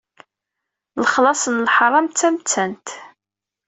Lexlaṣ n leḥram, d tamettant.